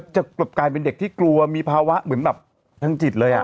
จะกลับกลายเป็นเด็กที่กลัวมีภาวะเหมือนแบบทางจิตเลย